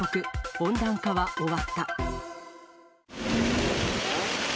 温暖化は終わった。